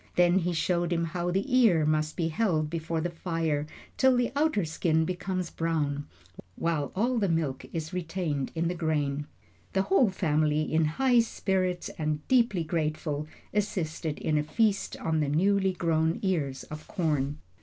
Then he showed him how the ear must be held before the fire till the outer skin becomes brown, while all the milk is retained in the grain. The whole family, in high spirits and deeply grateful, assisted in a feast on the newly grown ears of corn.